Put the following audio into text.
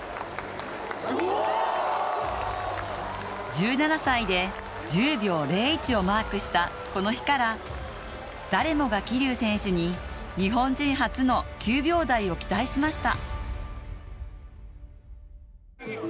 １７歳で１０秒０１をマークした、この日から誰もが桐生選手に日本人初の９秒台を期待しました。